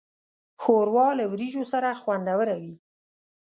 ښوروا له وریژو سره خوندوره وي.